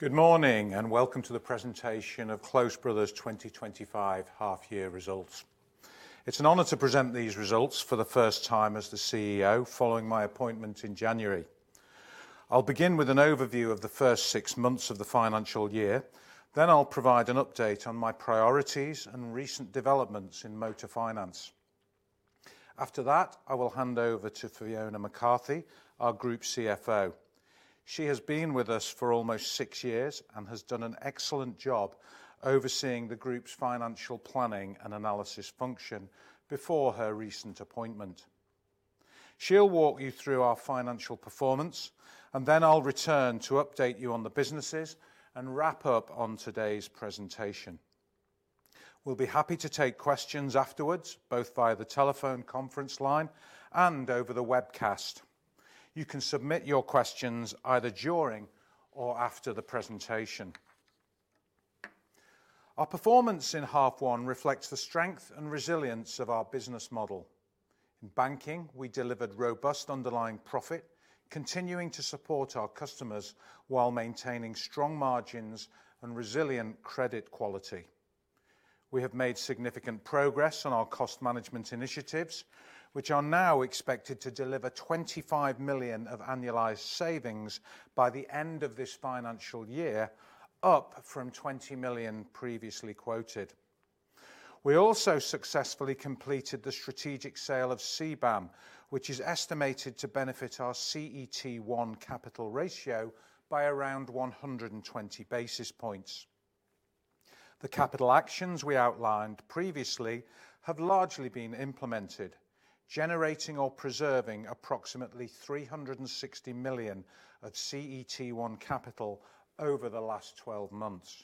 Good morning and welcome to the presentation of Close Brothers' 2025 half-year results. It's an honor to present these results for the first time as the CEO following my appointment in January. I'll begin with an overview of the first six months of the financial year, then I'll provide an update on my priorities and recent developments in motor finance. After that, I will hand over to Fiona McCarthy, our Group CFO. She has been with us for almost six years and has done an excellent job overseeing the Group's financial planning and analysis function before her recent appointment. She'll walk you through our financial performance, and then I'll return to update you on the businesses and wrap up on today's presentation. We'll be happy to take questions afterwards, both via the telephone conference line and over the webcast. You can submit your questions either during or after the presentation. Our performance in half one reflects the strength and resilience of our business model. In banking, we delivered robust underlying profit, continuing to support our customers while maintaining strong margins and resilient credit quality. We have made significant progress on our cost management initiatives, which are now expected to deliver 25 million of annualized savings by the end of this financial year, up from 20 million previously quoted. We also successfully completed the strategic sale of CBAM, which is estimated to benefit our CET1 capital ratio by around 120 basis points. The capital actions we outlined previously have largely been implemented, generating or preserving approximately 360 million of CET1 capital over the last 12 months.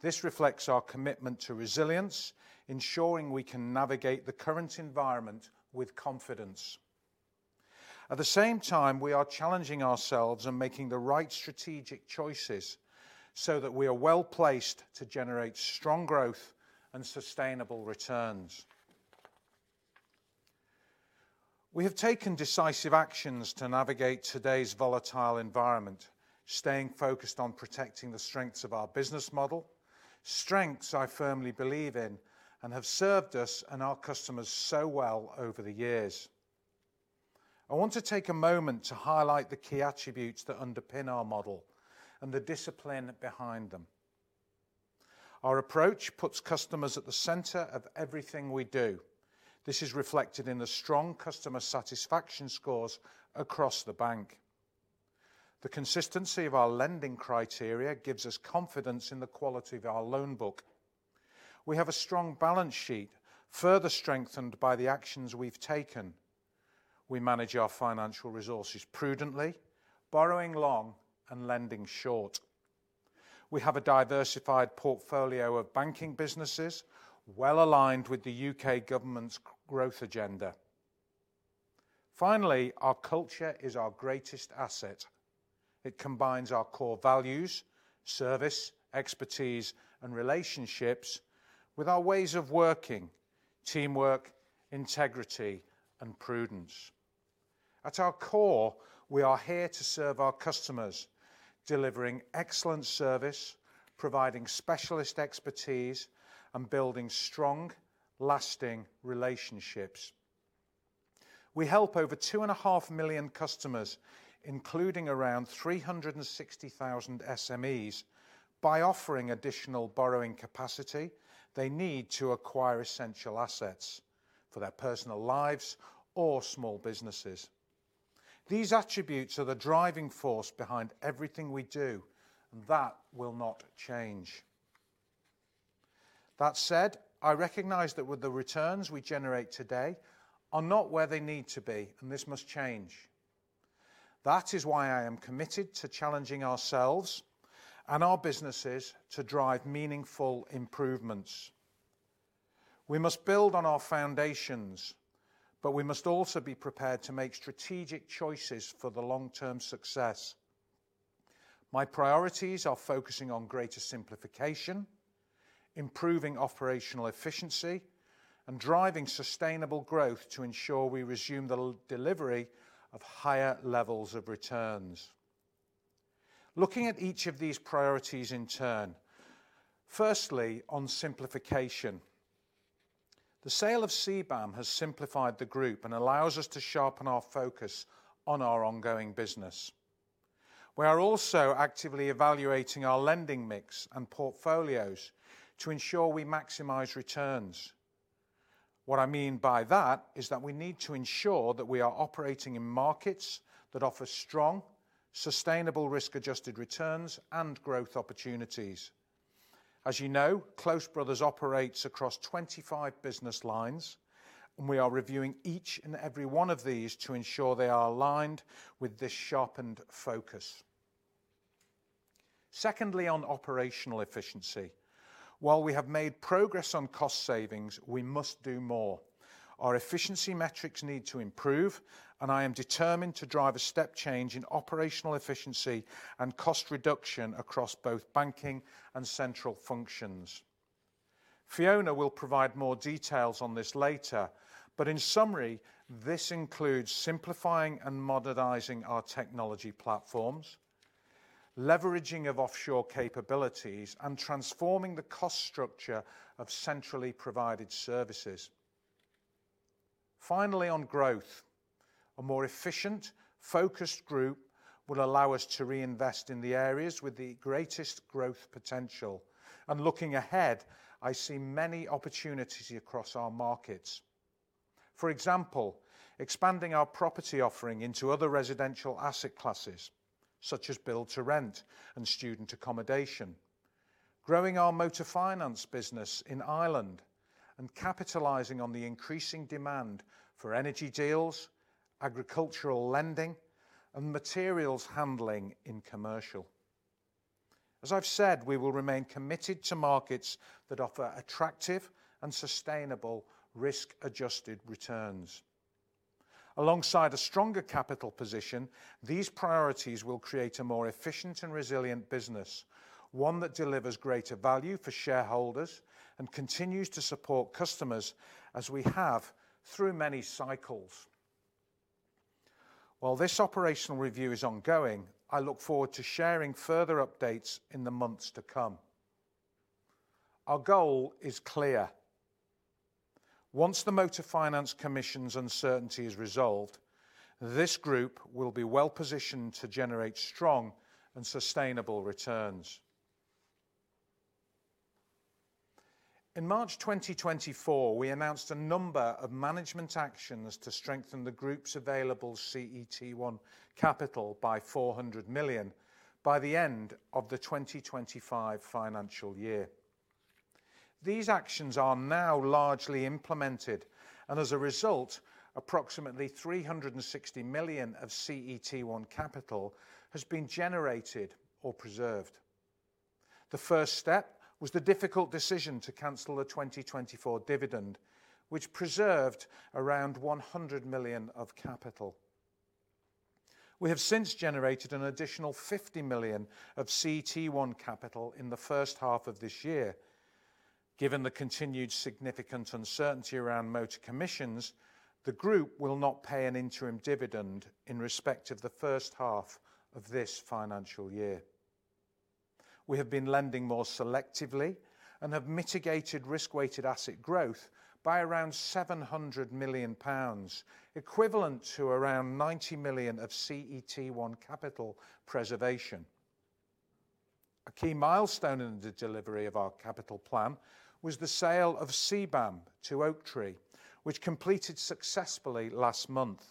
This reflects our commitment to resilience, ensuring we can navigate the current environment with confidence. At the same time, we are challenging ourselves and making the right strategic choices so that we are well placed to generate strong growth and sustainable returns. We have taken decisive actions to navigate today's volatile environment, staying focused on protecting the strengths of our business model, strengths I firmly believe in and have served us and our customers so well over the years. I want to take a moment to highlight the key attributes that underpin our model and the discipline behind them. Our approach puts customers at the center of everything we do. This is reflected in the strong customer satisfaction scores across the bank. The consistency of our lending criteria gives us confidence in the quality of our loan book. We have a strong balance sheet, further strengthened by the actions we've taken. We manage our financial resources prudently, borrowing long and lending short. We have a diversified portfolio of banking businesses, well aligned with the U.K. government's growth agenda. Finally, our culture is our greatest asset. It combines our core values, service, expertise, and relationships with our ways of working, teamwork, integrity, and prudence. At our core, we are here to serve our customers, delivering excellent service, providing specialist expertise, and building strong, lasting relationships. We help over two and a half million customers, including around 360,000 SMEs, by offering additional borrowing capacity they need to acquire essential assets for their personal lives or small businesses. These attributes are the driving force behind everything we do, and that will not change. That said, I recognize that the returns we generate today are not where they need to be, and this must change. That is why I am committed to challenging ourselves and our businesses to drive meaningful improvements. We must build on our foundations, but we must also be prepared to make strategic choices for the long-term success. My priorities are focusing on greater simplification, improving operational efficiency, and driving sustainable growth to ensure we resume the delivery of higher levels of returns. Looking at each of these priorities in turn, firstly, on simplification. The sale of CBAM has simplified the Group and allows us to sharpen our focus on our ongoing business. We are also actively evaluating our lending mix and portfolios to ensure we maximize returns. What I mean by that is that we need to ensure that we are operating in markets that offer strong, sustainable risk-adjusted returns and growth opportunities. As you know, Close Brothers operates across 25 business lines, and we are reviewing each and every one of these to ensure they are aligned with this sharpened focus. Secondly, on operational efficiency. While we have made progress on cost savings, we must do more. Our efficiency metrics need to improve, and I am determined to drive a step change in operational efficiency and cost reduction across both banking and central functions. Fiona will provide more details on this later, but in summary, this includes simplifying and modernizing our technology platforms, leveraging offshore capabilities, and transforming the cost structure of centrally provided services. Finally, on growth. A more efficient, focused Group would allow us to reinvest in the areas with the greatest growth potential. Looking ahead, I see many opportunities across our markets. For example, expanding our property offering into other residential asset classes, such as build-to-rent and student accommodation, growing our motor finance business in Ireland, and capitalizing on the increasing demand for energy deals, agricultural lending, and materials handling in commercial. As I've said, we will remain committed to markets that offer attractive and sustainable risk-adjusted returns. Alongside a stronger capital position, these priorities will create a more efficient and resilient business, one that delivers greater value for shareholders and continues to support customers as we have through many cycles. While this operational review is ongoing, I look forward to sharing further updates in the months to come. Our goal is clear. Once the motor finance commission's uncertainty is resolved, this Group will be well positioned to generate strong and sustainable returns. In March 2024, we announced a number of management actions to strengthen the Group's available CET1 capital by 400 million by the end of the 2025 financial year. These actions are now largely implemented, and as a result, approximately 360 million of CET1 capital has been generated or preserved. The first step was the difficult decision to cancel the 2024 dividend, which preserved around 100 million of capital. We have since generated an additional 50 million of CET1 capital in the first half of this year. Given the continued significant uncertainty around motor commissions, the Group will not pay an interim dividend in respect of the first half of this financial year. We have been lending more selectively and have mitigated risk-weighted asset growth by around 700 million pounds, equivalent to around 90 million of CET1 capital preservation. A key milestone in the delivery of our capital plan was the sale of CBAM to Oaktree, which completed successfully last month.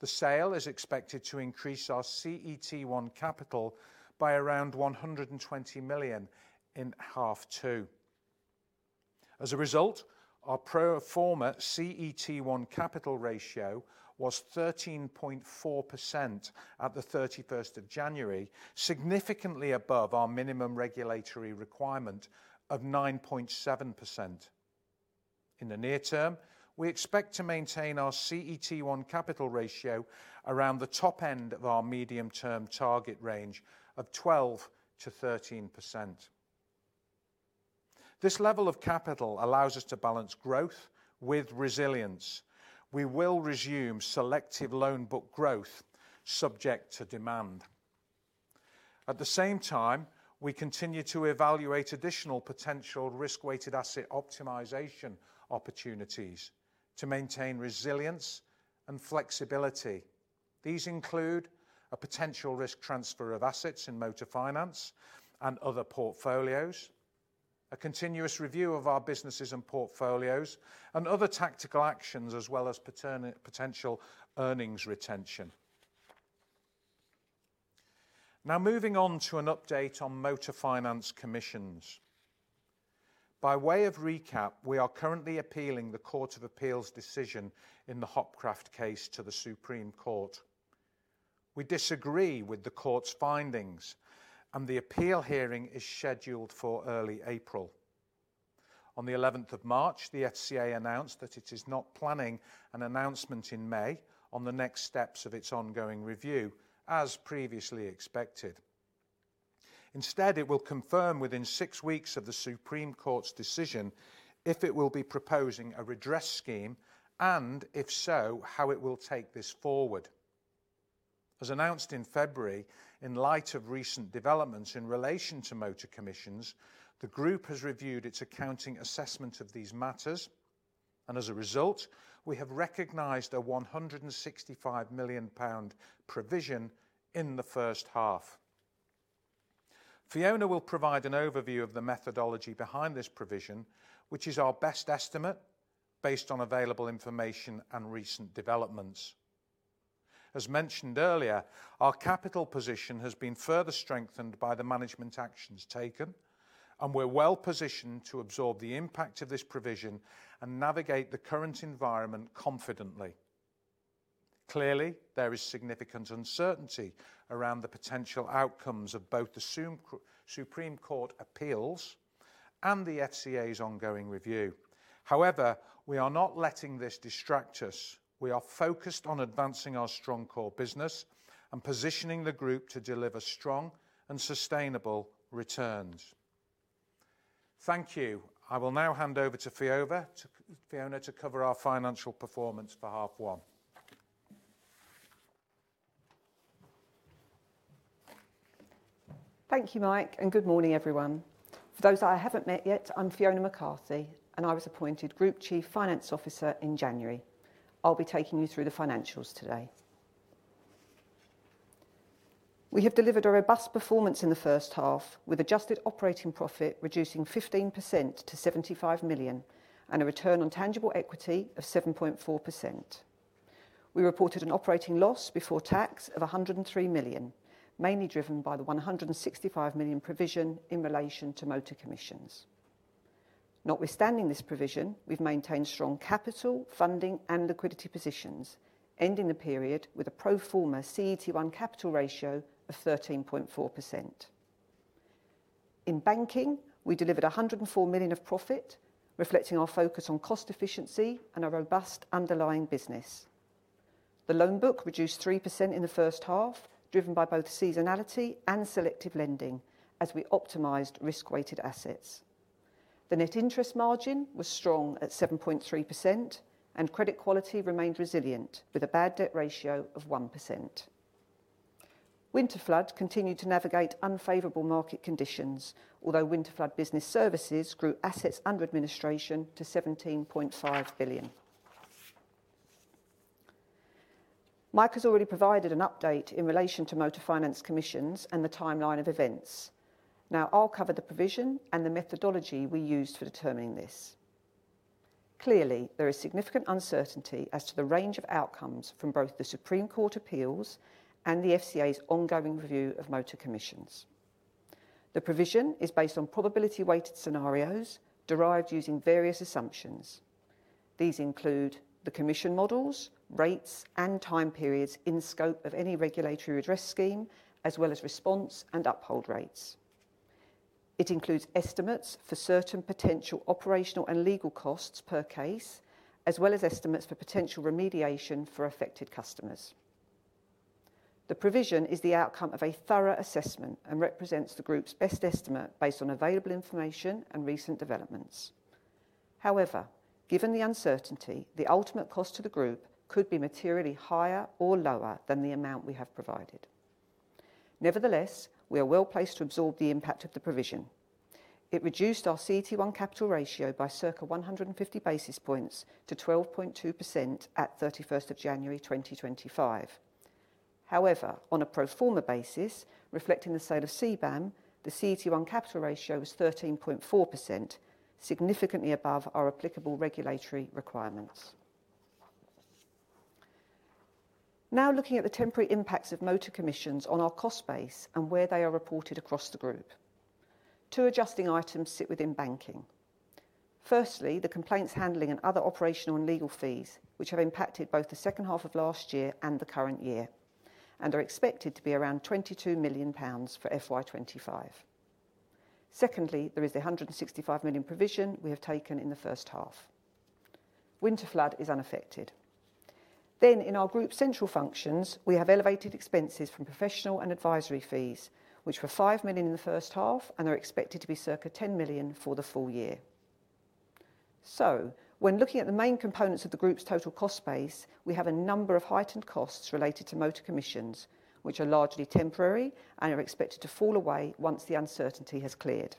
The sale is expected to increase our CET1 capital by around 120 million in half two. As a result, our pro forma CET1 capital ratio was 13.4% at the 31st of January, significantly above our minimum regulatory requirement of 9.7%. In the near term, we expect to maintain our CET1 capital ratio around the top end of our medium-term target range of 12-13%. This level of capital allows us to balance growth with resilience. We will resume selective loan book growth, subject to demand. At the same time, we continue to evaluate additional potential risk-weighted asset optimization opportunities to maintain resilience and flexibility. These include a potential risk transfer of assets in motor finance and other portfolios, a continuous review of our businesses and portfolios, and other tactical actions, as well as potential earnings retention. Now, moving on to an update on motor finance commissions. By way of recap, we are currently appealing the Court of Appeal's decision in the Hopcraft case to the Supreme Court. We disagree with the Court's findings, and the appeal hearing is scheduled for early April. On the 11th of March, the FCA announced that it is not planning an announcement in May on the next steps of its ongoing review, as previously expected. Instead, it will confirm within six weeks of the Supreme Court's decision if it will be proposing a redress scheme and, if so, how it will take this forward. As announced in February, in light of recent developments in relation to motor commissions, the Group has reviewed its accounting assessment of these matters, and as a result, we have recognized a 165 million pound provision in the first half. Fiona will provide an overview of the methodology behind this provision, which is our best estimate based on available information and recent developments. As mentioned earlier, our capital position has been further strengthened by the management actions taken, and we're well positioned to absorb the impact of this provision and navigate the current environment confidently. Clearly, there is significant uncertainty around the potential outcomes of both the Supreme Court appeals and the FCA's ongoing review. However, we are not letting this distract us. We are focused on advancing our strong core business and positioning the Group to deliver strong and sustainable returns. Thank you. I will now hand over to Fiona to cover our financial performance for half one. Thank you, Mike, and good morning, everyone. For those that I haven't met yet, I'm Fiona McCarthy, and I was appointed Group Chief Financial Officer in January. I'll be taking you through the financials today. We have delivered a robust performance in the first half, with adjusted operating profit reducing 15% to 75 million and a return on tangible equity of 7.4%. We reported an operating loss before tax of 103 million, mainly driven by the 165 million provision in relation to motor commissions. Notwithstanding this provision, we've maintained strong capital, funding, and liquidity positions, ending the period with a pro forma CET1 capital ratio of 13.4%. In banking, we delivered 104 million of profit, reflecting our focus on cost efficiency and a robust underlying business. The loan book reduced 3% in the first half, driven by both seasonality and selective lending, as we optimized risk-weighted assets. The net interest margin was strong at 7.3%, and credit quality remained resilient with a bad debt ratio of 1%. Winterflood continued to navigate unfavorable market conditions, although Winterflood Business Services grew assets under administration to 17.5 billion. Mike has already provided an update in relation to motor finance commissions and the timeline of events. Now, I'll cover the provision and the methodology we used for determining this. Clearly, there is significant uncertainty as to the range of outcomes from both the Supreme Court appeals and the FCA's ongoing review of motor commissions. The provision is based on probability-weighted scenarios derived using various assumptions. These include the commission models, rates, and time periods in scope of any regulatory redress scheme, as well as response and uphold rates. It includes estimates for certain potential operational and legal costs per case, as well as estimates for potential remediation for affected customers. The provision is the outcome of a thorough assessment and represents the Group's best estimate based on available information and recent developments. However, given the uncertainty, the ultimate cost to the Group could be materially higher or lower than the amount we have provided. Nevertheless, we are well placed to absorb the impact of the provision. It reduced our CET1 capital ratio by circa 150 basis points to 12.2% at 31st of January 2025. However, on a pro forma basis, reflecting the sale of CBAM, the CET1 capital ratio was 13.4%, significantly above our applicable regulatory requirements. Now, looking at the temporary impacts of motor commissions on our cost base and where they are reported across the Group, two adjusting items sit within banking. Firstly, the complaints handling and other operational and legal fees, which have impacted both the second half of last year and the current year, and are expected to be around 22 million pounds for FY2025. Secondly, there is the 165 million provision we have taken in the first half. Winterflood is unaffected. In our Group's central functions, we have elevated expenses from professional and advisory fees, which were 5 million in the first half and are expected to be circa 10 million for the full year. When looking at the main components of the Group's total cost base, we have a number of heightened costs related to motor commissions, which are largely temporary and are expected to fall away once the uncertainty has cleared.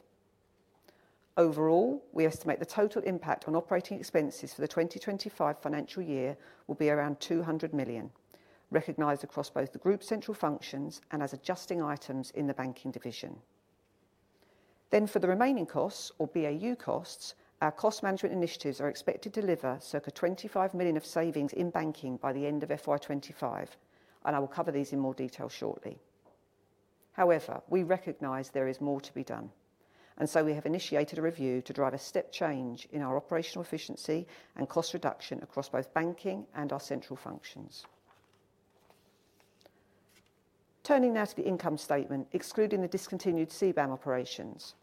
Overall, we estimate the total impact on operating expenses for the 2025 financial year will be around 200 million, recognized across both the Group's central functions and as adjusting items in the banking division. For the remaining costs, or BAU costs, our cost management initiatives are expected to deliver circa 25 million of savings in banking by the end of FY25, and I will cover these in more detail shortly. However, we recognize there is more to be done, and we have initiated a review to drive a step change in our operational efficiency and cost reduction across both banking and our central functions. Turning now to the income statement, excluding the discontinued CBAM operations,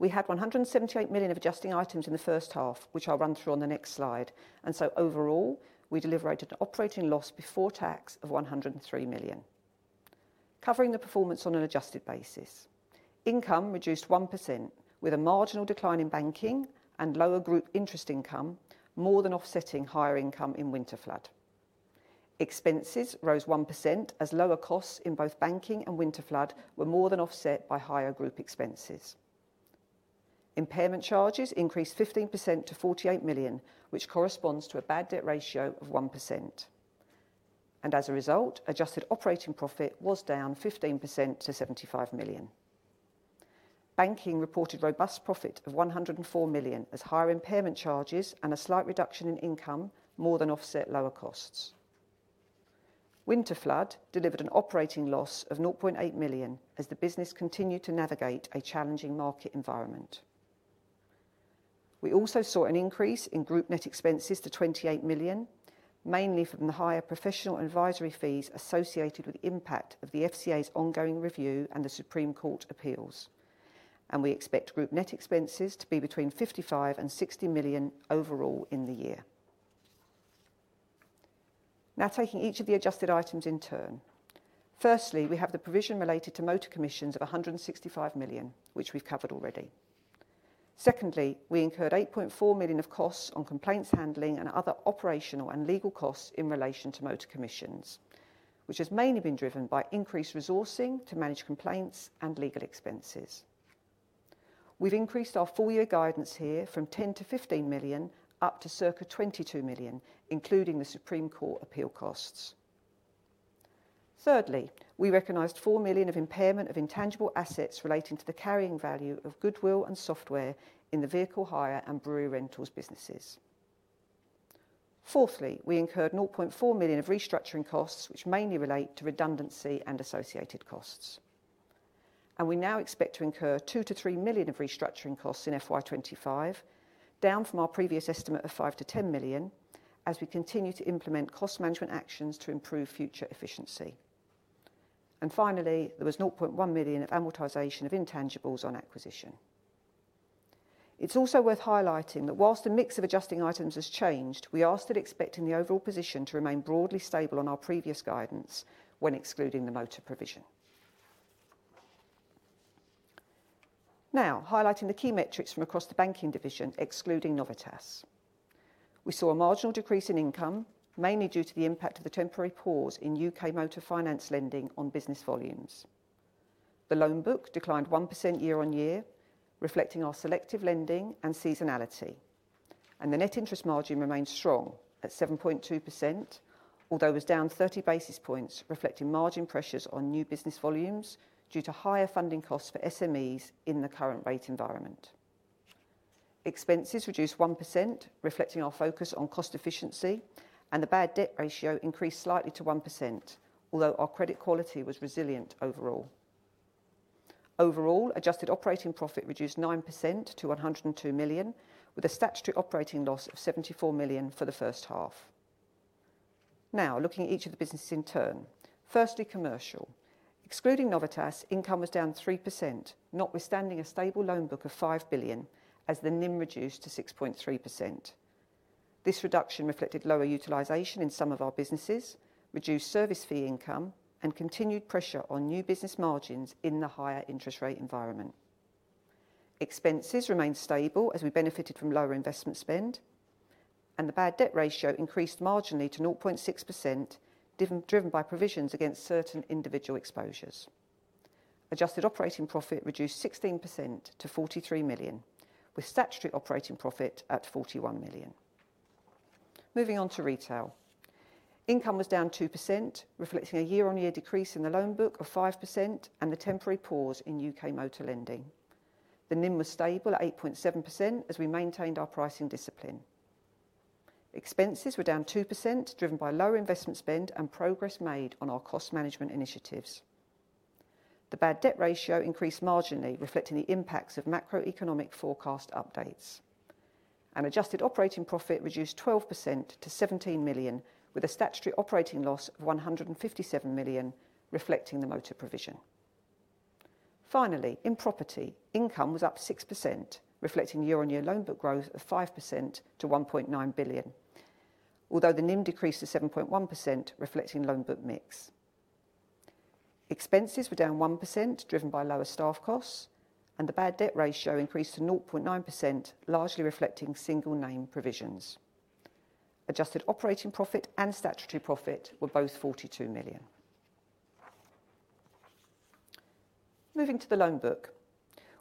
we had 178 million of adjusting items in the first half, which I'll run through on the next slide. Overall, we delivered an operating loss before tax of 103 million, covering the performance on an adjusted basis. Income reduced 1% with a marginal decline in banking and lower Group interest income, more than offsetting higher income in Winterflood. Expenses rose 1% as lower costs in both banking and Winterflood were more than offset by higher Group expenses. Impairment charges increased 15% to 48 million, which corresponds to a bad debt ratio of 1%. As a result, adjusted operating profit was down 15% to 75 million. Banking reported robust profit of 104 million as higher impairment charges and a slight reduction in income more than offset lower costs. Winterflood delivered an operating loss of 0.8 million as the business continued to navigate a challenging market environment. We also saw an increase in Group net expenses to 28 million, mainly from the higher professional and advisory fees associated with the impact of the FCA's ongoing review and the Supreme Court appeals. We expect Group net expenses to be between 55-60 million overall in the year. Now, taking each of the adjusted items in turn. Firstly, we have the provision related to motor commissions of 165 million, which we've covered already. Secondly, we incurred 8.4 million of costs on complaints handling and other operational and legal costs in relation to motor commissions, which has mainly been driven by increased resourcing to manage complaints and legal expenses. We've increased our full year guidance here from 10-15 million up to circa 22 million, including the Supreme Court appeal costs. Thirdly, we recognized 4 million of impairment of intangible assets relating to the carrying value of goodwill and software in the vehicle hire and brewery rentals businesses. Fourthly, we incurred 0.4 million of restructuring costs, which mainly relate to redundancy and associated costs. We now expect to incur 2-3 million of restructuring costs in FY2025, down from our previous estimate of 5-10 million as we continue to implement cost management actions to improve future efficiency. Finally, there was 0.1 million of amortization of intangibles on acquisition. It is also worth highlighting that whilst the mix of adjusting items has changed, we are still expecting the overall position to remain broadly stable on our previous guidance when excluding the motor provision. Now, highlighting the key metrics from across the banking division, excluding Novitas. We saw a marginal decrease in income, mainly due to the impact of the temporary pause in U.K. motor finance lending on business volumes. The loan book declined 1% year on year, reflecting our selective lending and seasonality. The net interest margin remained strong at 7.2%, although it was down 30 basis points, reflecting margin pressures on new business volumes due to higher funding costs for SMEs in the current rate environment. Expenses reduced 1%, reflecting our focus on cost efficiency, and the bad debt ratio increased slightly to 1%, although our credit quality was resilient overall. Overall, adjusted operating profit reduced 9% to 102 million, with a statutory operating loss of 74 million for the first half. Now, looking at each of the businesses in turn. Firstly, commercial. Excluding Novitas, income was down 3%, notwithstanding a stable loan book of 5 billion, as the NIM reduced to 6.3%. This reduction reflected lower utilization in some of our businesses, reduced service fee income, and continued pressure on new business margins in the higher interest rate environment. Expenses remained stable as we benefited from lower investment spend, and the bad debt ratio increased marginally to 0.6%, driven by provisions against certain individual exposures. Adjusted operating profit reduced 16% to 43 million, with statutory operating profit at 41 million. Moving on to retail. Income was down 2%, reflecting a year-on-year decrease in the loan book of 5% and the temporary pause in U.K. motor lending. The NIM was stable at 8.7% as we maintained our pricing discipline. Expenses were down 2%, driven by lower investment spend and progress made on our cost management initiatives. The bad debt ratio increased marginally, reflecting the impacts of macroeconomic forecast updates. Adjusted operating profit reduced 12% to 17 million, with a statutory operating loss of 157 million, reflecting the motor provision. Finally, in property, income was up 6%, reflecting year-on-year loan book growth of 5% to 1.9 billion, although the NIM decreased to 7.1%, reflecting loan book mix. Expenses were down 1%, driven by lower staff costs, and the bad debt ratio increased to 0.9%, largely reflecting single-name provisions. Adjusted operating profit and statutory profit were both 42 million. Moving to the loan book,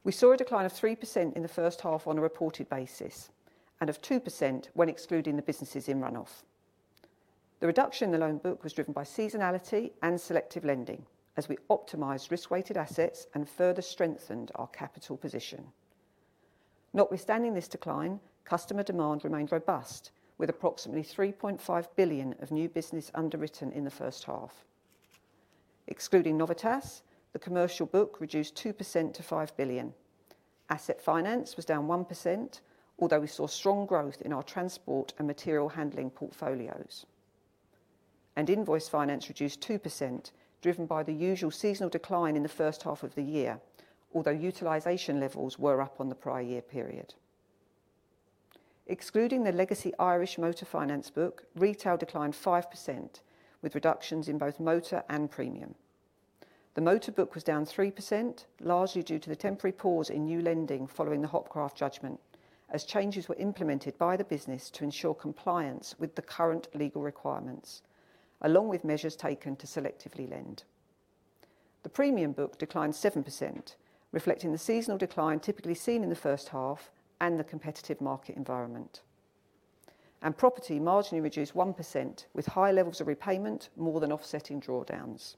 we saw a decline of 3% in the first half on a reported basis and of 2% when excluding the businesses in runoff. The reduction in the loan book was driven by seasonality and selective lending, as we optimized risk-weighted assets and further strengthened our capital position. Notwithstanding this decline, customer demand remained robust, with approximately 3.5 billion of new business underwritten in the first half. Excluding Novitas, the commercial book reduced 2% to 5 billion. Asset Finance was down 1%, although we saw strong growth in our transport and material handling portfolios. Invoice Finance reduced 2%, driven by the usual seasonal decline in the first half of the year, although utilization levels were up on the prior year period. Excluding the legacy Irish Motor Finance book, retail declined 5%, with reductions in both motor and premium. The motor book was down 3%, largely due to the temporary pause in new lending following the Hopcraft judgment, as changes were implemented by the business to ensure compliance with the current legal requirements, along with measures taken to selectively lend. The premium book declined 7%, reflecting the seasonal decline typically seen in the first half and the competitive market environment. Property marginally reduced 1%, with high levels of repayment more than offsetting drawdowns.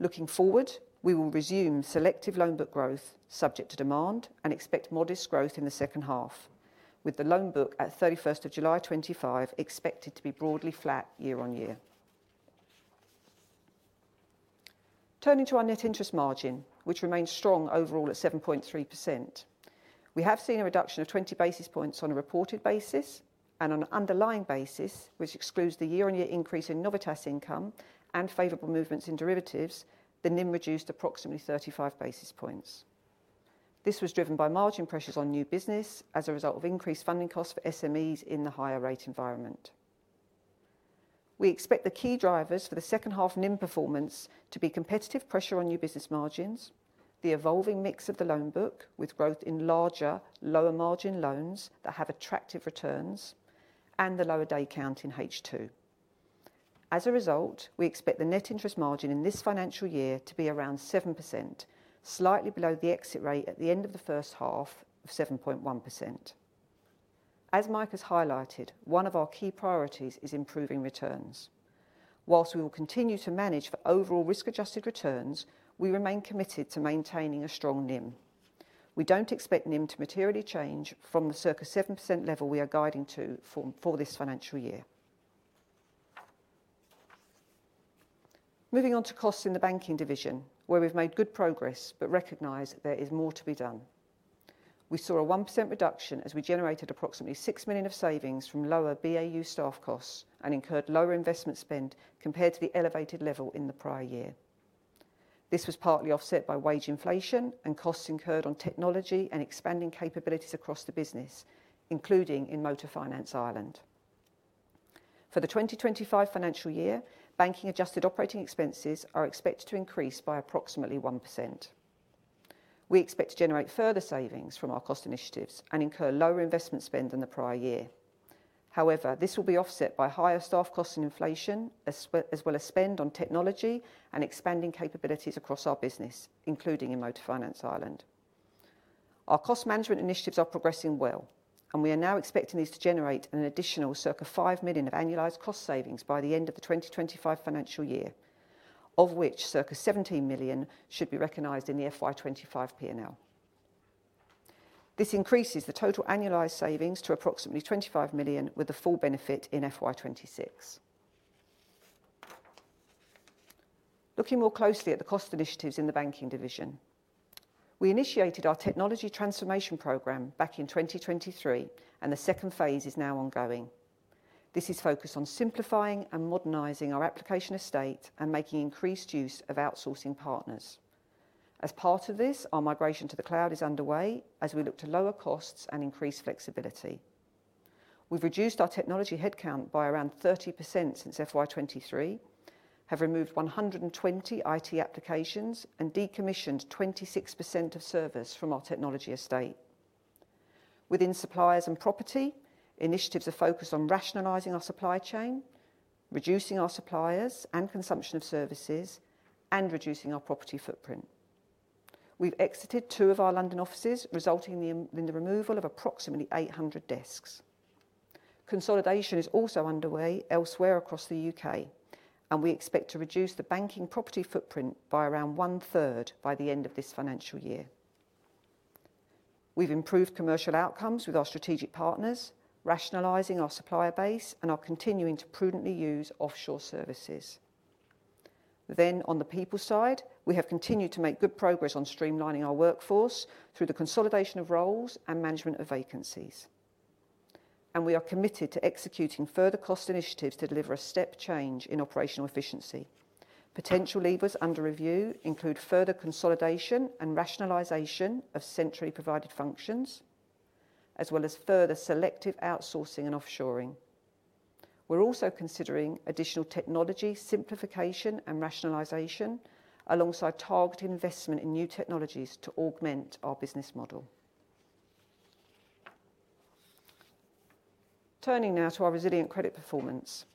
Looking forward, we will resume selective loan book growth subject to demand and expect modest growth in the second half, with the loan book at 31st of July 2025 expected to be broadly flat year-on-year. Turning to our net interest margin, which remained strong overall at 7.3%. We have seen a reduction of 20 basis points on a reported basis, and on an underlying basis, which excludes the year-on-year increase in Novitas income and favorable movements in derivatives, the NIM reduced approximately 35 basis points. This was driven by margin pressures on new business as a result of increased funding costs for SMEs in the higher rate environment. We expect the key drivers for the second half NIM performance to be competitive pressure on new business margins, the evolving mix of the loan book with growth in larger, lower margin loans that have attractive returns, and the lower day count in H2. As a result, we expect the net interest margin in this financial year to be around 7%, slightly below the exit rate at the end of the first half of 7.1%. As Mike has highlighted, one of our key priorities is improving returns. Whilst we will continue to manage for overall risk-adjusted returns, we remain committed to maintaining a strong NIM. We don't expect NIM to materially change from the circa 7% level we are guiding to for this financial year. Moving on to costs in the banking division, where we've made good progress but recognize there is more to be done. We saw a 1% reduction as we generated approximately 6 million of savings from lower BAU staff costs and incurred lower investment spend compared to the elevated level in the prior year. This was partly offset by wage inflation and costs incurred on technology and expanding capabilities across the business, including in motor finance Ireland. For the 2025 financial year, banking adjusted operating expenses are expected to increase by approximately 1%. We expect to generate further savings from our cost initiatives and incur lower investment spend than the prior year. However, this will be offset by higher staff costs and inflation, as well as spend on technology and expanding capabilities across our business, including in motor finance Ireland. Our cost management initiatives are progressing well, and we are now expecting these to generate an additional circa 5 million of annualized cost savings by the end of the 2025 financial year, of which circa 17 million should be recognized in the FY25 P&L. This increases the total annualized savings to approximately 25 million with the full benefit in FY26. Looking more closely at the cost initiatives in the banking division, we initiated our technology transformation program back in 2023, and the second phase is now ongoing. This is focused on simplifying and modernizing our application estate and making increased use of outsourcing partners. As part of this, our migration to the cloud is underway as we look to lower costs and increase flexibility. We've reduced our technology headcount by around 30% since FY23, have removed 120 IT applications, and decommissioned 26% of servers from our technology estate. Within suppliers and property, initiatives are focused on rationalizing our supply chain, reducing our suppliers and consumption of services, and reducing our property footprint. We have exited two of our London offices, resulting in the removal of approximately 800 desks. Consolidation is also underway elsewhere across the U.K., and we expect to reduce the banking property footprint by around one-third by the end of this financial year. We have improved commercial outcomes with our strategic partners, rationalizing our supplier base, and are continuing to prudently use offshore services. On the people side, we have continued to make good progress on streamlining our workforce through the consolidation of roles and management of vacancies. We are committed to executing further cost initiatives to deliver a step change in operational efficiency. Potential levers under review include further consolidation and rationalization of centrally provided functions, as well as further selective outsourcing and offshoring. We're also considering additional technology simplification and rationalization, alongside targeted investment in new technologies to augment our business model. Turning now to our resilient credit performance.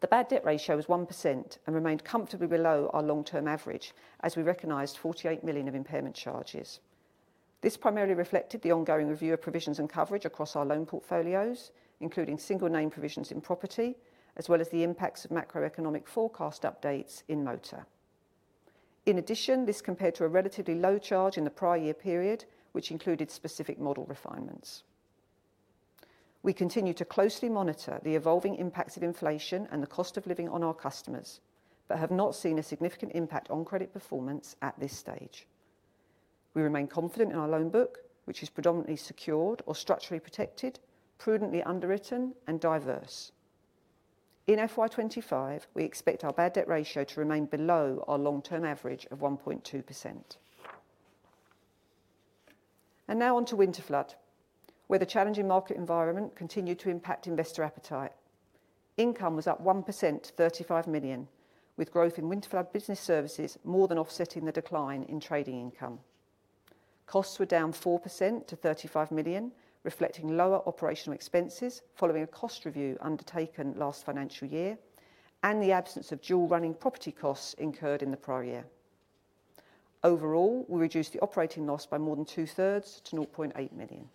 The bad debt ratio was 1% and remained comfortably below our long-term average, as we recognized 48 million of impairment charges. This primarily reflected the ongoing review of provisions and coverage across our loan portfolios, including single-name provisions in property, as well as the impacts of macroeconomic forecast updates in motor. In addition, this compared to a relatively low charge in the prior year period, which included specific model refinements. We continue to closely monitor the evolving impacts of inflation and the cost of living on our customers, but have not seen a significant impact on credit performance at this stage. We remain confident in our loan book, which is predominantly secured or structurally protected, prudently underwritten, and diverse. In FY25, we expect our bad debt ratio to remain below our long-term average of 1.2%. Now on to Winterflood, where the challenging market environment continued to impact investor appetite. Income was up 1% to 35 million, with growth in Winterflood Business Services more than offsetting the decline in trading income. Costs were down 4% to 35 million, reflecting lower operational expenses following a cost review undertaken last financial year and the absence of dual-running property costs incurred in the prior year. Overall, we reduced the operating loss by more than two-thirds to 0.8 million.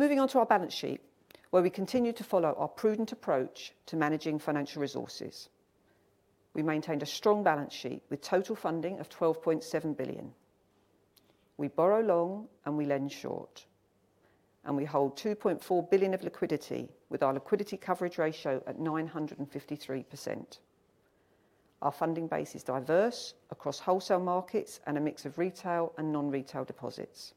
Moving on to our balance sheet, where we continue to follow our prudent approach to managing financial resources. We maintained a strong balance sheet with total funding of 12.7 billion. We borrow long and we lend short, and we hold 2.4 billion of liquidity with our liquidity coverage ratio at 953%. Our funding base is diverse across wholesale markets and a mix of retail and non-retail deposits.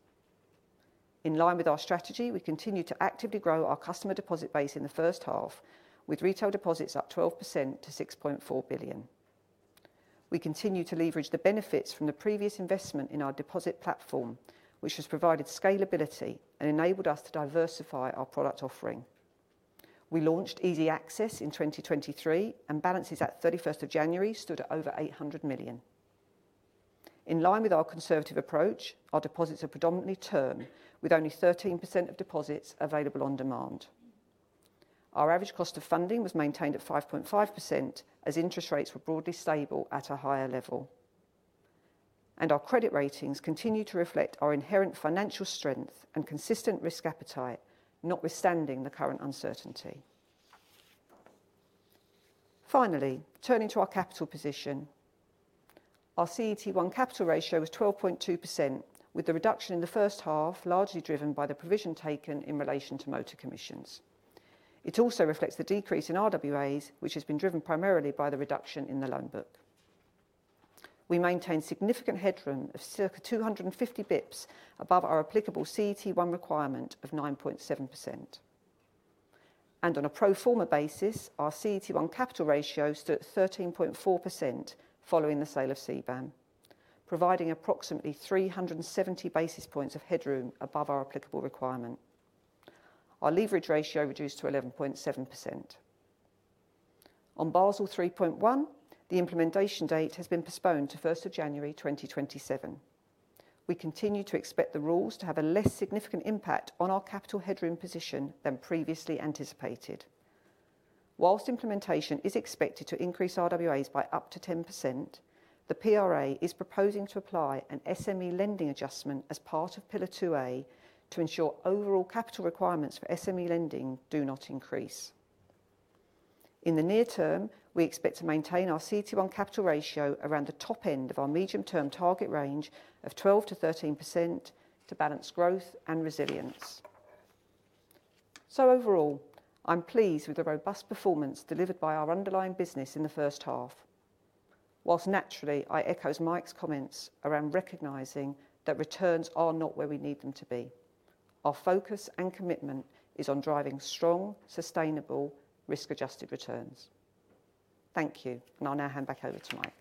In line with our strategy, we continue to actively grow our customer deposit base in the first half, with retail deposits up 12% to 6.4 billion. We continue to leverage the benefits from the previous investment in our deposit platform, which has provided scalability and enabled us to diversify our product offering. We launched easy access in 2023, and balances at 31st of January stood at over 800 million. In line with our conservative approach, our deposits are predominantly term, with only 13% of deposits available on demand. Our average cost of funding was maintained at 5.5% as interest rates were broadly stable at a higher level. Our credit ratings continue to reflect our inherent financial strength and consistent risk appetite, notwithstanding the current uncertainty. Finally, turning to our capital position, our CET1 capital ratio was 12.2%, with the reduction in the first half largely driven by the provision taken in relation to motor commissions. It also reflects the decrease in RWAs, which has been driven primarily by the reduction in the loan book. We maintain significant headroom of circa 250 basis points above our applicable CET1 requirement of 9.7%. On a pro forma basis, our CET1 capital ratio stood at 13.4% following the sale of CBAM, providing approximately 370 basis points of headroom above our applicable requirement. Our leverage ratio reduced to 11.7%. On Basel 3.1, the implementation date has been postponed to 1st of January 2027. We continue to expect the rules to have a less significant impact on our capital headroom position than previously anticipated. Whilst implementation is expected to increase RWAs by up to 10%, the PRA is proposing to apply an SME lending adjustment as part of Pillar 2A to ensure overall capital requirements for SME lending do not increase. In the near term, we expect to maintain our CET1 capital ratio around the top end of our medium-term target range of 12%-13% to balance growth and resilience. Overall, I'm pleased with the robust performance delivered by our underlying business in the first half, whilst naturally, I echo Mike's comments around recognizing that returns are not where we need them to be. Our focus and commitment is on driving strong, sustainable, risk-adjusted returns. Thank you, and I'll now hand back over to Mike.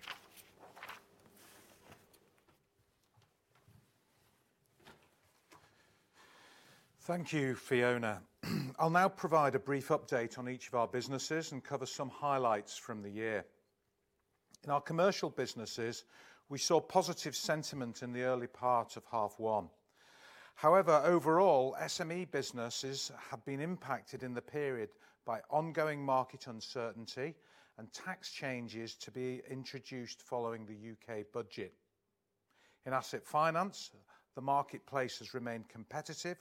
Thank you, Fiona. I'll now provide a brief update on each of our businesses and cover some highlights from the year. In our commercial businesses, we saw positive sentiment in the early part of half one. However, overall, SME businesses have been impacted in the period by ongoing market uncertainty and tax changes to be introduced following the U.K. budget. In asset finance, the marketplace has remained competitive,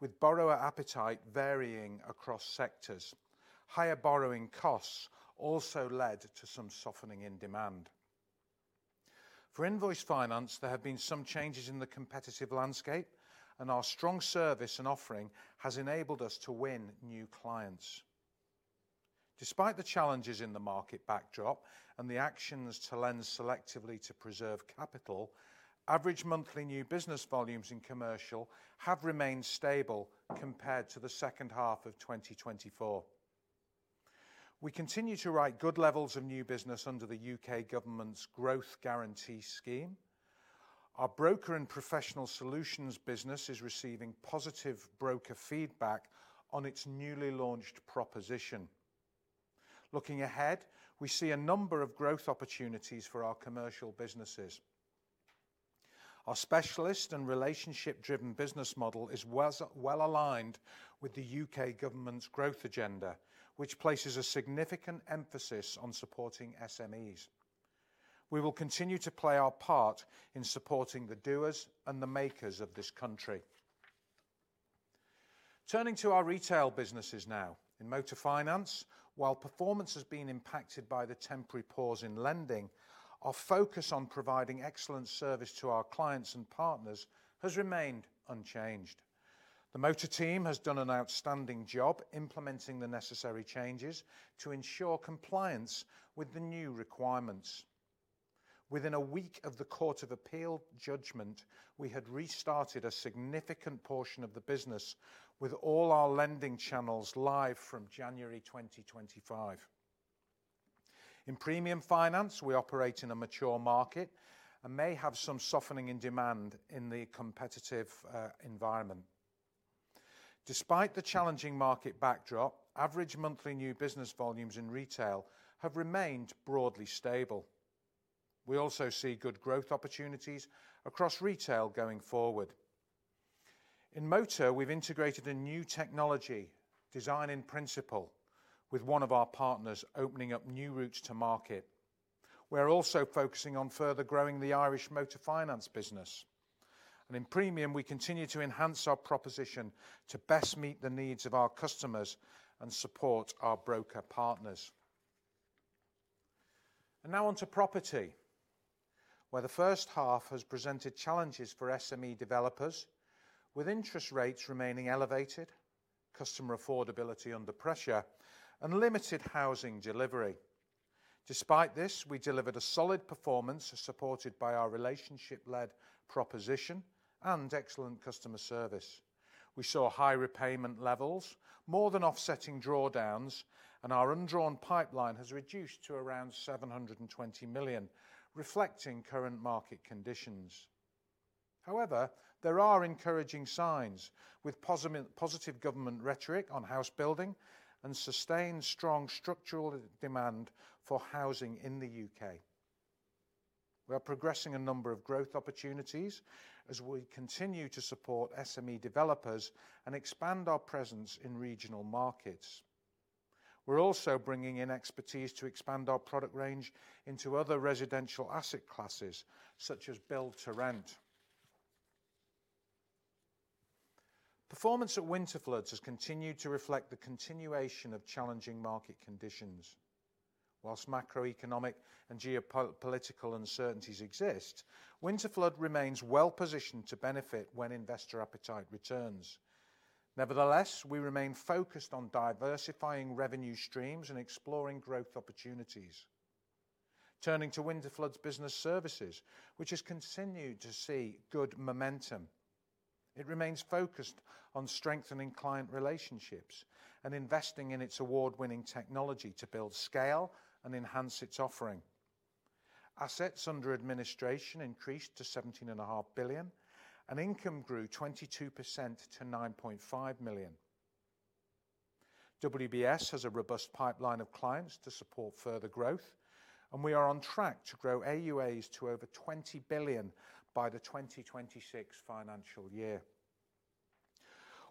with borrower appetite varying across sectors. Higher borrowing costs also led to some softening in demand. For invoice finance, there have been some changes in the competitive landscape, and our strong service and offering has enabled us to win new clients. Despite the challenges in the market backdrop and the actions to lend selectively to preserve capital, average monthly new business volumes in commercial have remained stable compared to the second half of 2024. We continue to write good levels of new business under the U.K. government's Growth Guarantee Scheme. Our broker and professional solutions business is receiving positive broker feedback on its newly launched proposition. Looking ahead, we see a number of growth opportunities for our commercial businesses. Our specialist and relationship-driven business model is well aligned with the U.K. government's growth agenda, which places a significant emphasis on supporting SMEs. We will continue to play our part in supporting the doers and the makers of this country. Turning to our retail businesses now, in motor finance, while performance has been impacted by the temporary pause in lending, our focus on providing excellent service to our clients and partners has remained unchanged. The motor team has done an outstanding job implementing the necessary changes to ensure compliance with the new requirements. Within a week of the Court of Appeal judgment, we had restarted a significant portion of the business with all our lending channels live from January 2025. In premium finance, we operate in a mature market and may have some softening in demand in the competitive environment. Despite the challenging market backdrop, average monthly new business volumes in retail have remained broadly stable. We also see good growth opportunities across retail going forward. In motor, we've integrated a new technology design in principle, with one of our partners opening up new routes to market. We're also focusing on further growing the Irish Motor Finance business. In premium, we continue to enhance our proposition to best meet the needs of our customers and support our broker partners. Now on to property, where the first half has presented challenges for SME developers, with interest rates remaining elevated, customer affordability under pressure, and limited housing delivery. Despite this, we delivered a solid performance supported by our relationship-led proposition and excellent customer service. We saw high repayment levels, more than offsetting drawdowns, and our undrawn pipeline has reduced to around 720 million, reflecting current market conditions. However, there are encouraging signs, with positive government rhetoric on house building and sustained strong structural demand for housing in the U.K. We are progressing a number of growth opportunities as we continue to support SME developers and expand our presence in regional markets. We're also bringing in expertise to expand our product range into other residential asset classes, such as build-to-rent. Performance at Winterflood has continued to reflect the continuation of challenging market conditions. Whilst macroeconomic and geopolitical uncertainties exist, Winterflood remains well-positioned to benefit when investor appetite returns. Nevertheless, we remain focused on diversifying revenue streams and exploring growth opportunities. Turning to Winterflood Business Services, which has continued to see good momentum. It remains focused on strengthening client relationships and investing in its award-winning technology to build scale and enhance its offering. Assets under administration increased to 17.5 billion, and income grew 22% to 9.5 million. WBS has a robust pipeline of clients to support further growth, and we are on track to grow AUAs to over 20 billion by the 2026 financial year.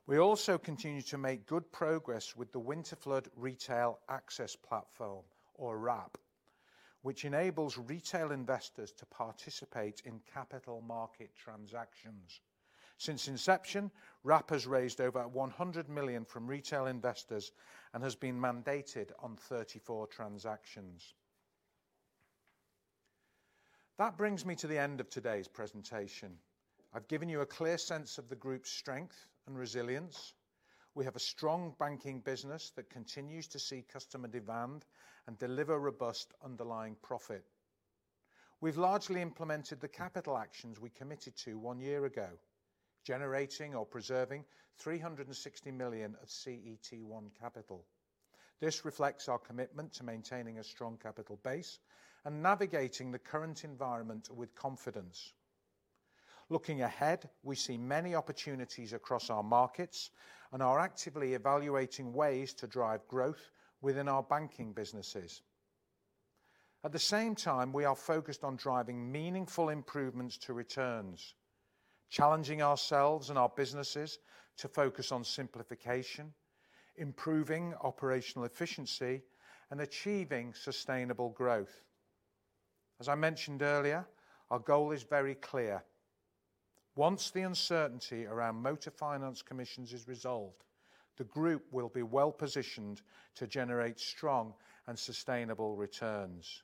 We also continue to make good progress with the Winterflood Retail Access Platform, or RAP, which enables retail investors to participate in capital market transactions. Since inception, RAP has raised over 100 million from retail investors and has been mandated on 34 transactions. That brings me to the end of today's presentation. I've given you a clear sense of the group's strength and resilience. We have a strong banking business that continues to see customer demand and deliver robust underlying profit. We have largely implemented the capital actions we committed to one year ago, generating or preserving 360 million of CET1 capital. This reflects our commitment to maintaining a strong capital base and navigating the current environment with confidence. Looking ahead, we see many opportunities across our markets and are actively evaluating ways to drive growth within our banking businesses. At the same time, we are focused on driving meaningful improvements to returns, challenging ourselves and our businesses to focus on simplification, improving operational efficiency, and achieving sustainable growth. As I mentioned earlier, our goal is very clear. Once the uncertainty around motor finance commissions is resolved, the group will be well-positioned to generate strong and sustainable returns.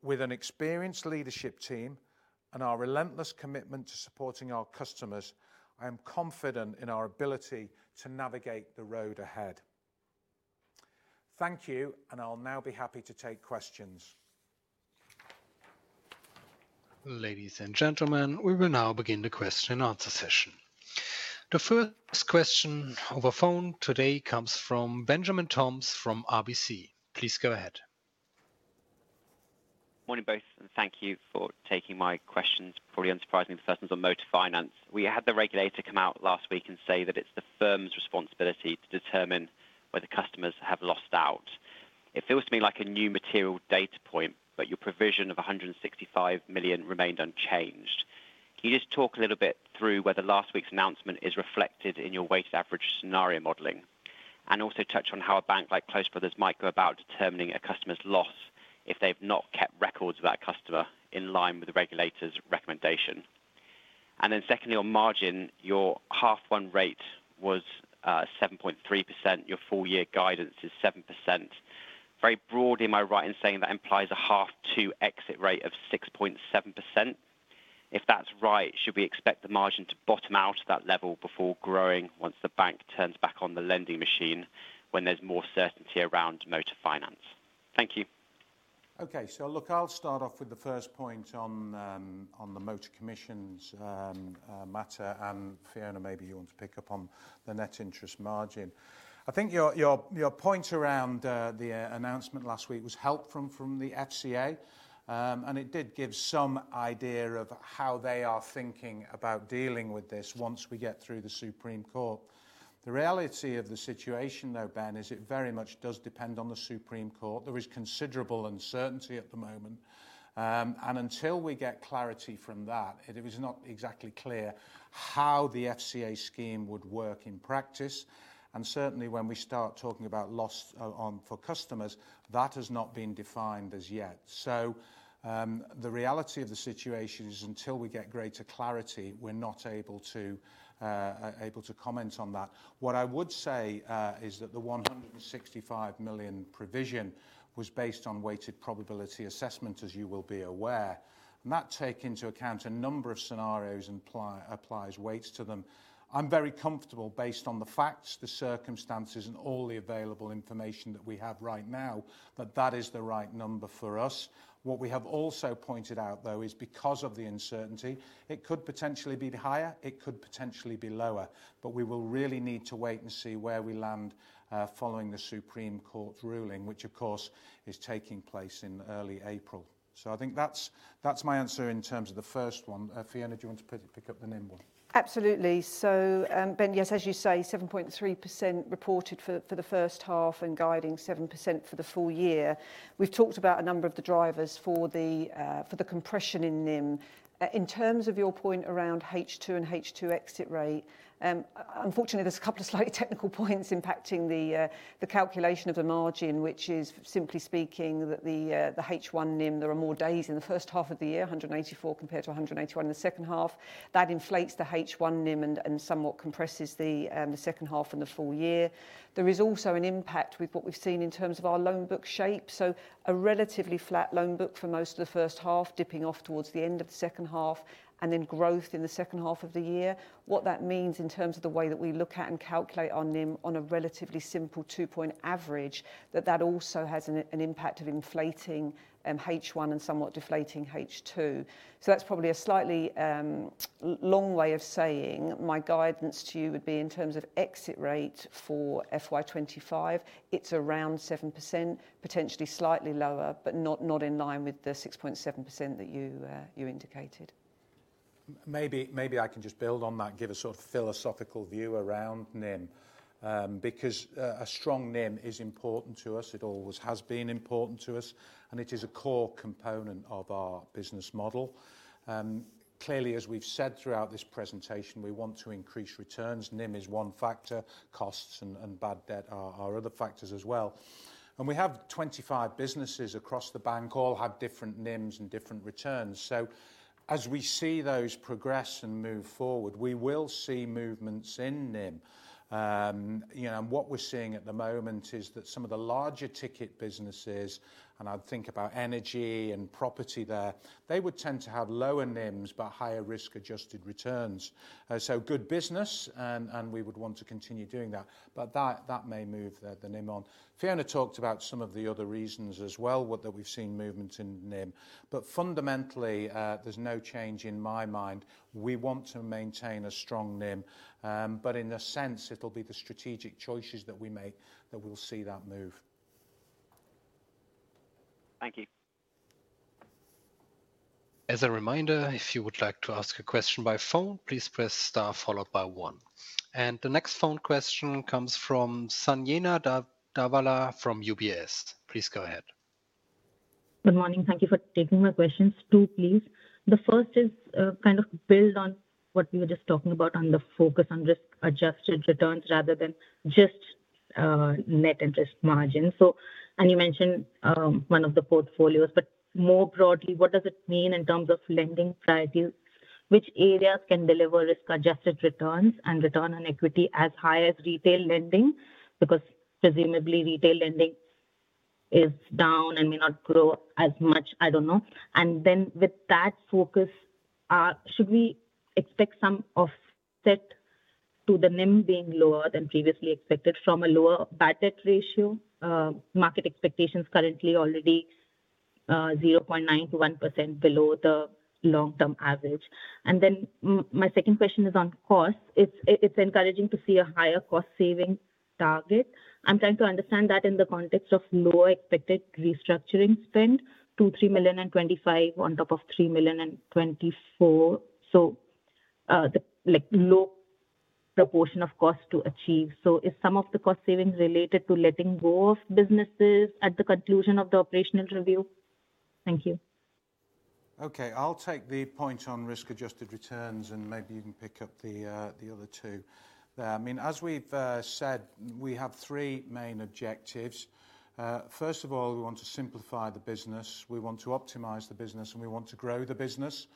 With an experienced leadership team and our relentless commitment to supporting our customers, I am confident in our ability to navigate the road ahead. Thank you, and I will now be happy to take questions. Ladies and gentlemen, we will now begin the question-and-answer session. The first question over phone today comes from Benjamin Toms from RBC. Please go ahead. Morning, both, and thank you for taking my questions. Probably unsurprisingly, the first one's on motor finance. We had the regulator come out last week and say that it's the firm's responsibility to determine whether customers have lost out. It feels to me like a new material data point, but your provision of 165 million remained unchanged. Can you just talk a little bit through whether last week's announcement is reflected in your weighted average scenario modeling? Also touch on how a bank like Close Brothers might go about determining a customer's loss if they've not kept records of that customer in line with the regulator's recommendation. Secondly, on margin, your half one rate was 7.3%. Your full year guidance is 7%. Very broadly, am I right in saying that implies a half two exit rate of 6.7%? If that's right, should we expect the margin to bottom out at that level before growing once the bank turns back on the lending machine when there's more certainty around motor finance? Thank you. Okay, look, I'll start off with the first point on the motor commissions matter. Fiona, maybe you want to pick up on the net interest margin. I think your point around the announcement last week was helped from the FCA, and it did give some idea of how they are thinking about dealing with this once we get through the Supreme Court. The reality of the situation, though, Ben, is it very much does depend on the Supreme Court. There is considerable uncertainty at the moment. Until we get clarity from that, it is not exactly clear how the FCA scheme would work in practice. Certainly, when we start talking about loss for customers, that has not been defined as yet. The reality of the situation is until we get greater clarity, we're not able to comment on that. What I would say is that the 165 million provision was based on weighted probability assessment, as you will be aware. That takes into account a number of scenarios and applies weights to them. I'm very comfortable, based on the facts, the circumstances, and all the available information that we have right now, that that is the right number for us. What we have also pointed out, though, is because of the uncertainty, it could potentially be higher, it could potentially be lower, but we will really need to wait and see where we land following the Supreme Court ruling, which, of course, is taking place in early April. I think that's my answer in terms of the first one. Fiona, do you want to pick up the NIM one? Absolutely. Ben, yes, as you say, 7.3% reported for the first half and guiding 7% for the full year. We've talked about a number of the drivers for the compression in NIM. In terms of your point around H2 and H2 exit rate, unfortunately, there's a couple of slightly technical points impacting the calculation of the margin, which is, simply speaking, that the H1 NIM, there are more days in the first half of the year, 184 compared to 181 in the second half. That inflates the H1 NIM and somewhat compresses the second half and the full year. There is also an impact with what we've seen in terms of our loan book shape. A relatively flat loan book for most of the first half, dipping off towards the end of the second half, and then growth in the second half of the year. What that means in terms of the way that we look at and calculate our NIM on a relatively simple two-point average, that that also has an impact of inflating H1 and somewhat deflating H2. That is probably a slightly long way of saying. My guidance to you would be in terms of exit rate for FY2025, it is around 7%, potentially slightly lower, but not in line with the 6.7% that you indicated. Maybe I can just build on that and give a sort of philosophical view around NIM, because a strong NIM is important to us. It always has been important to us, and it is a core component of our business model. Clearly, as we have said throughout this presentation, we want to increase returns. NIM is one factor. Costs and bad debt are other factors as well. We have 25 businesses across the bank, all have different NIMs and different returns. As we see those progress and move forward, we will see movements in NIM. What we're seeing at the moment is that some of the larger ticket businesses, and I'd think about energy and property there, they would tend to have lower NIMs but higher risk-adjusted returns. Good business, and we would want to continue doing that, but that may move the NIM on. Fiona talked about some of the other reasons as well, that we've seen movements in NIM. Fundamentally, there's no change in my mind. We want to maintain a strong NIM, but in a sense, it'll be the strategic choices that we make that we'll see that move. Thank you. As a reminder, if you would like to ask a question by phone, please press star followed by one. The next phone question comes from Sanjana Dhavala from UBS. Please go ahead. Good morning. Thank you for taking my questions. Two, please. The first is kind of build on what we were just talking about on the focus on risk-adjusted returns rather than just net interest margin. You mentioned one of the portfolios, but more broadly, what does it mean in terms of lending priorities? Which areas can deliver risk-adjusted returns and return on equity as high as retail lending? Because presumably retail lending is down and may not grow as much, I do not know. With that focus, should we expect some offset to the NIM being lower than previously expected from a lower bad debt ratio? Market expectations currently already 0.9-1% below the long-term average. My second question is on cost. It is encouraging to see a higher cost-saving target. I am trying to understand that in the context of lower expected restructuring spend, 2-3 million in 2025 on top of 3 million in 2024. A low proportion of cost to achieve. Is some of the cost savings related to letting go of businesses at the conclusion of the operational review? Thank you. Okay, I'll take the point on risk-adjusted returns and maybe you can pick up the other two there. I mean, as we've said, we have three main objectives. First of all, we want to simplify the business. We want to optimize the business, and we want to grow the business.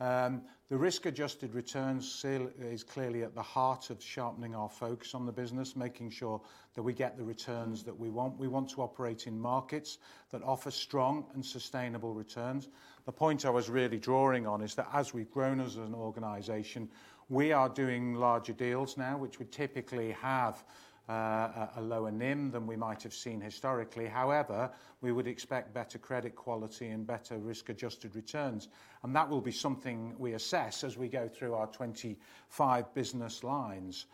The risk-adjusted returns is clearly at the heart of sharpening our focus on the business, making sure that we get the returns that we want. We want to operate in markets that offer strong and sustainable returns. The point I was really drawing on is that as we've grown as an organization, we are doing larger deals now, which would typically have a lower NIM than we might have seen historically. However, we would expect better credit quality and better risk-adjusted returns. That will be something we assess as we go through our 25 business lines.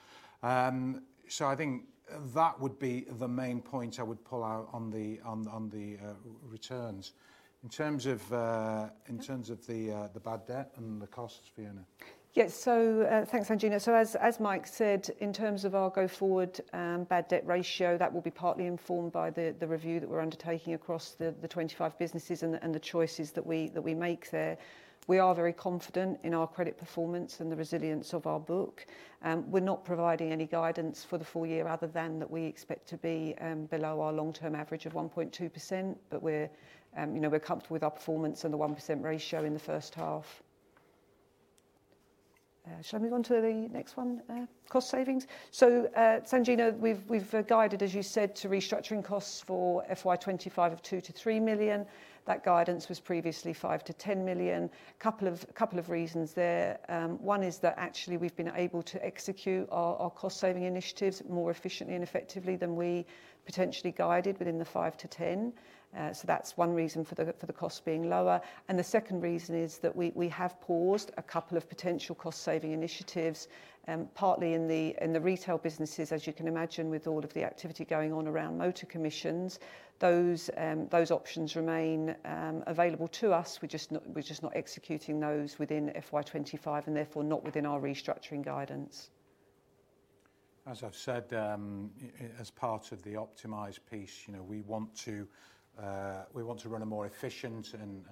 I think that would be the main point I would pull out on the returns. In terms of the bad debt and the costs, Fiona? Yes, thanks, Sanjana. As Mike said, in terms of our go-forward bad debt ratio, that will be partly informed by the review that we're undertaking across the 25 businesses and the choices that we make there. We are very confident in our credit performance and the resilience of our book. We're not providing any guidance for the full year other than that we expect to be below our long-term average of 1.2%, but we're comfortable with our performance and the 1% ratio in the first half. Shall I move on to the next one? Cost savings. Sanjana, we've guided, as you said, to restructuring costs for FY2025 of 2 million-3 million. That guidance was previously 5 million-10 million. A couple of reasons there. One is that actually we've been able to execute our cost-saving initiatives more efficiently and effectively than we potentially guided within the 5 million-10 million. That's one reason for the costs being lower. The second reason is that we have paused a couple of potential cost-saving initiatives, partly in the retail businesses, as you can imagine, with all of the activity going on around motor commissions. Those options remain available to us. We're just not executing those within FY2025 and therefore not within our restructuring guidance. As I've said, as part of the optimized piece, we want to run a more efficient and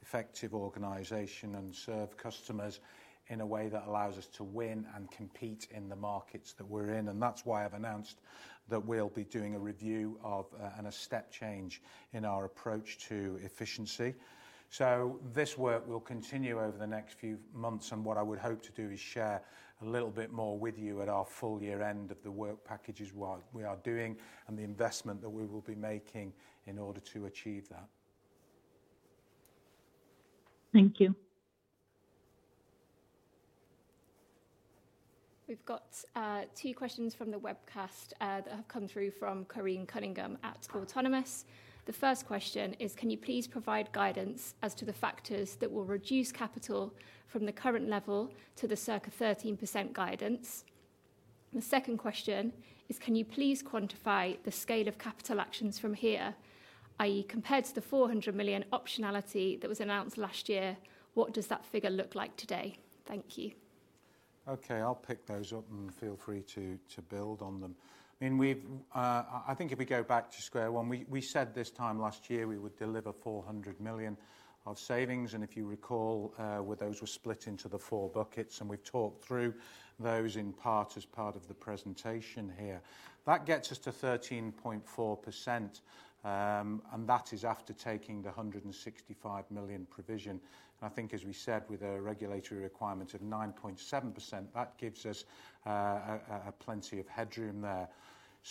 effective organization and serve customers in a way that allows us to win and compete in the markets that we're in. That is why I've announced that we'll be doing a review and a step change in our approach to efficiency. This work will continue over the next few months, and what I would hope to do is share a little bit more with you at our full year end of the work packages we are doing and the investment that we will be making in order to achieve that. Thank you. We've got two questions from the webcast that have come through from Corinne Cunningham at Autonomous. The first question is, can you please provide guidance as to the factors that will reduce capital from the current level to the circa 13% guidance? The second question is, can you please quantify the scale of capital actions from here, i.e., compared to the 400 million optionality that was announced last year, what does that figure look like today? Thank you. Okay, I'll pick those up and feel free to build on them. I mean, I think if we go back to square one, we said this time last year we would deliver 400 million of savings. And if you recall, those were split into the four buckets, and we've talked through those in part as part of the presentation here. That gets us to 13.4%, and that is after taking the 165 million provision. I think, as we said, with a regulatory requirement of 9.7%, that gives us plenty of headroom there.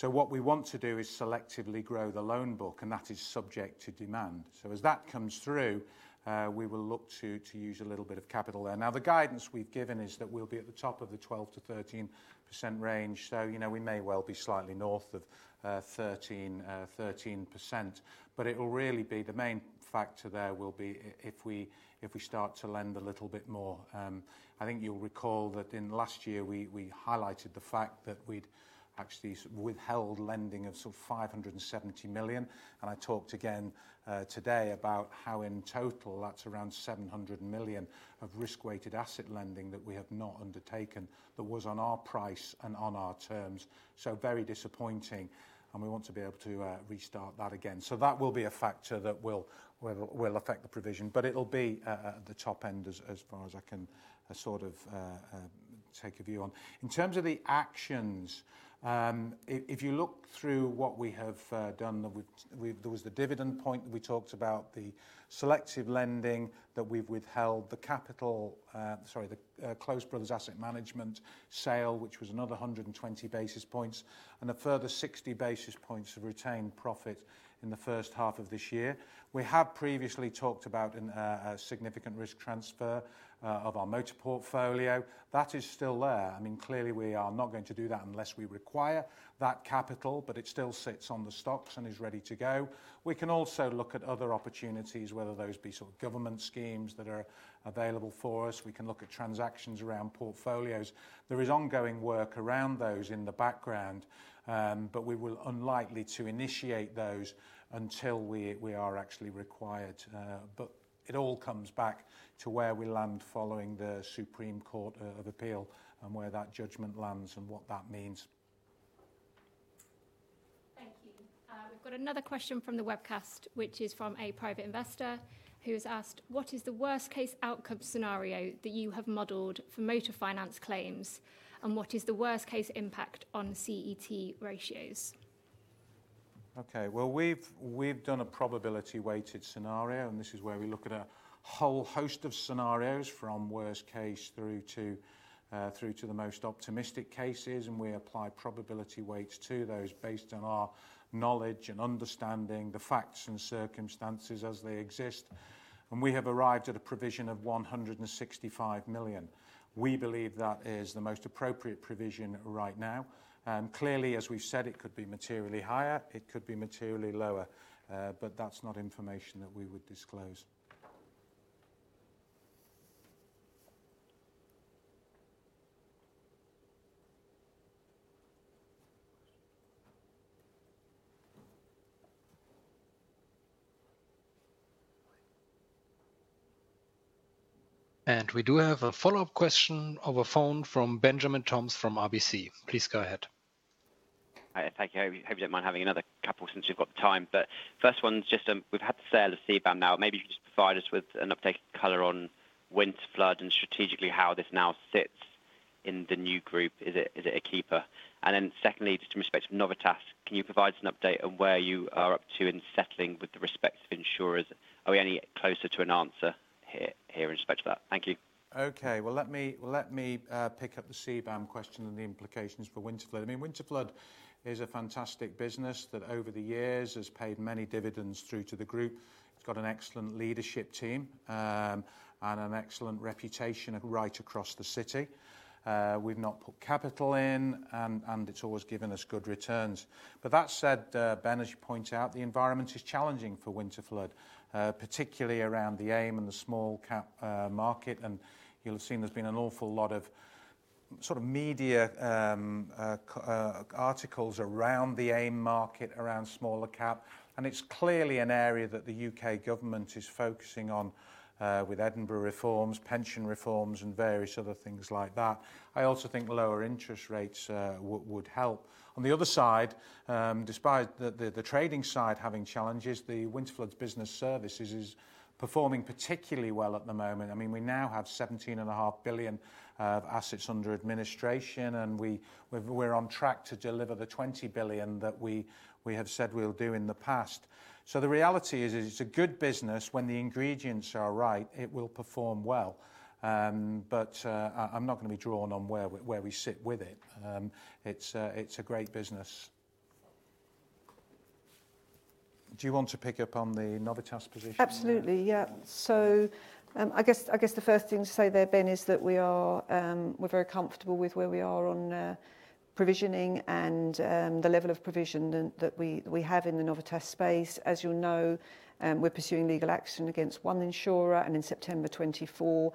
What we want to do is selectively grow the loan book, and that is subject to demand. As that comes through, we will look to use a little bit of capital there. The guidance we've given is that we'll be at the top of the 12-13% range. We may well be slightly north of 13%, but it will really be the main factor there if we start to lend a little bit more. I think you'll recall that in last year, we highlighted the fact that we'd actually withheld lending of sort of 570 million. I talked again today about how in total, that's around 700 million of risk-weighted asset lending that we have not undertaken that was on our price and on our terms. Very disappointing, and we want to be able to restart that again. That will be a factor that will affect the provision, but it'll be at the top end as far as I can sort of take a view on. In terms of the actions, if you look through what we have done, there was the dividend point that we talked about, the selective lending that we've withheld, the Close Brothers Asset Management sale, which was another 120 basis points, and a further 60 basis points of retained profit in the first half of this year. We have previously talked about a significant risk transfer of our motor portfolio. That is still there. I mean, clearly, we are not going to do that unless we require that capital, but it still sits on the stocks and is ready to go. We can also look at other opportunities, whether those be sort of government schemes that are available for us. We can look at transactions around portfolios. There is ongoing work around those in the background, but we will unlikely to initiate those until we are actually required. It all comes back to where we land following the Supreme Court appeal and where that judgment lands and what that means. Thank you. We've got another question from the webcast, which is from a private investor who has asked, what is the worst-case outcome scenario that you have modeled for motor finance claims, and what is the worst-case impact on CET1 ratios? Okay, we have done a probability-weighted scenario, and this is where we look at a whole host of scenarios from worst-case through to the most optimistic cases, and we apply probability weights to those based on our knowledge and understanding the facts and circumstances as they exist. We have arrived at a provision of 165 million. We believe that is the most appropriate provision right now. Clearly, as we have said, it could be materially higher. It could be materially lower, but that is not information that we would disclose. We do have a follow-up question over phone from Benjamin Toms from RBC. Please go ahead. Hi, thank you. I hope you do not mind having another couple since you have got the time. The first one is just we have had the sale of CBAM now. Maybe you can just provide us with an updated color on Winterflood and strategically how this now sits in the new group. Is it a keeper? Secondly, just in respect of Novitas, can you provide us an update on where you are up to in settling with the respective insurers? Are we any closer to an answer here in respect to that? Thank you. Okay, let me pick up the CBAM question and the implications for Winterflood. I mean, Winterflood is a fantastic business that over the years has paid many dividends through to the group. It's got an excellent leadership team and an excellent reputation right across the city. We've not put capital in, and it's always given us good returns. That said, Ben, as you point out, the environment is challenging for Winterflood, particularly around the AIM and the small cap market. You'll have seen there's been an awful lot of sort of media articles around the AIM market, around smaller cap. It's clearly an area that the U.K. government is focusing on with Edinburgh Reforms, pension reforms, and various other things like that. I also think lower interest rates would help. On the other side, despite the trading side having challenges, the Winterflood Business Services is performing particularly well at the moment. I mean, we now have 17.5 billion of assets under administration, and we're on track to deliver the 20 billion that we have said we'll do in the past. The reality is it's a good business. When the ingredients are right, it will perform well. I'm not going to be drawn on where we sit with it. It's a great business. Do you want to pick up on the Novitas position? Absolutely, yeah. I guess the first thing to say there, Ben, is that we're very comfortable with where we are on provisioning and the level of provision that we have in the Novitas space. As you'll know, we're pursuing legal action against one insurer, and in September 2024,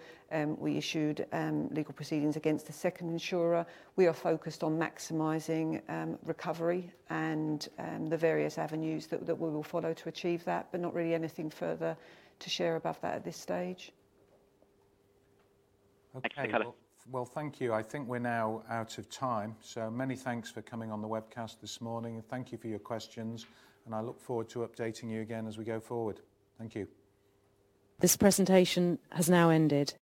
we issued legal proceedings against the second insurer. We are focused on maximizing recovery and the various avenues that we will follow to achieve that, but not really anything further to share above that at this stage. Okay, thank you. I think we're now out of time. Many thanks for coming on the webcast this morning, and thank you for your questions. I look forward to updating you again as we go forward. Thank you. This presentation has now ended.